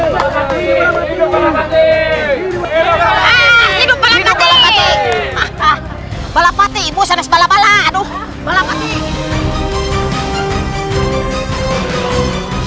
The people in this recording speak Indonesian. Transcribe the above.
balapati ibu sehat balapala aduh balapati